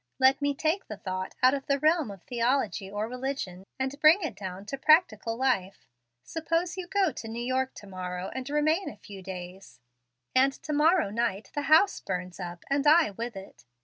Let me take the thought out of the realm of theology or religion, and bring it down to practical life. Suppose you go to New York to morrow and remain a few days, and to morrow night the house burns up, and I with it.